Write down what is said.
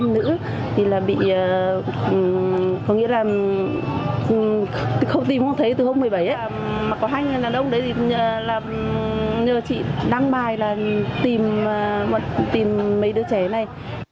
mà có hai người đàn ông đấy thì là nhờ chị đăng bài là tìm mấy đứa trẻ này